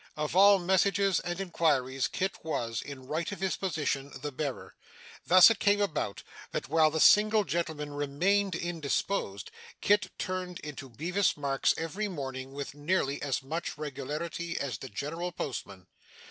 Of all messages and inquiries, Kit was, in right of his position, the bearer; thus it came about that, while the single gentleman remained indisposed, Kit turned into Bevis Marks every morning with nearly as much regularity as the General Postman.